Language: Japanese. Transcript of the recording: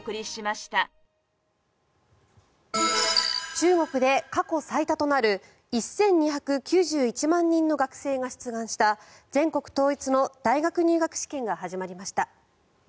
中国で過去最多となる１２９１万人の学生が出願した全国統一の大学入学試験が始まりました。